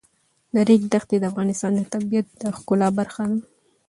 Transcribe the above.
د ریګ دښتې د افغانستان د طبیعت د ښکلا برخه ده.